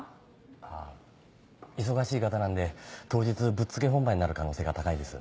あぁ忙しい方なんで当日ぶっつけ本番になる可能性が高いです。